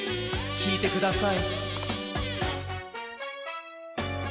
きいてください。